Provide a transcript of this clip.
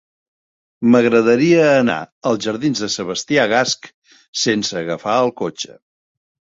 M'agradaria anar als jardins de Sebastià Gasch sense agafar el cotxe.